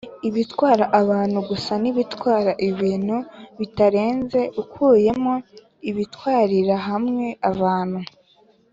ibitwara abantu gusa n’ibitwara ibintu bitarenze ukuyemo Ibitwarira hamwe abantu